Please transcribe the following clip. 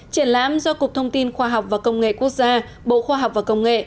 triển lãm do cục thông tin khoa học và công nghệ quốc gia bộ khoa học và công nghệ